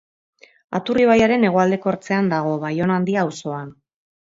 Aturri ibaiaren hegoaldeko ertzean dago, Baiona Handia auzoan.